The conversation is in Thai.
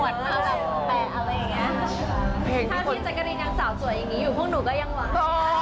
ถ้าพี่แจ๊กกะรีนยังสาวสวยอย่างนี้อยู่พวกหนูก็ยังหวัง